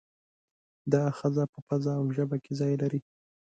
دا آخذه په پزه او ژبه کې ځای لري.